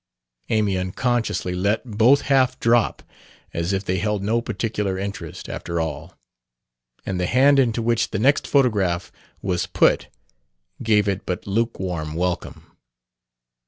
Amy unconsciously let both half drop, as if they held no particular interest, after all. And the hand into which the next photograph was put gave it but lukewarm welcome.